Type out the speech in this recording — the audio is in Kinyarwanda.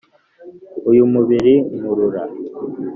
Uyu mubiri nkurura